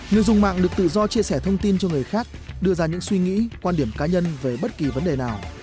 người dùng mạng được tự do chia sẻ thông tin cho người khác đưa ra những suy nghĩ quan điểm cá nhân về bất kỳ vấn đề nào